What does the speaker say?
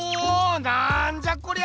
なんじゃこりゃ！